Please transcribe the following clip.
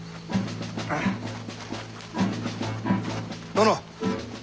殿。